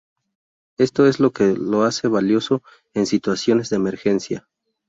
Esto es lo que lo hace valioso en situaciones de emergencia.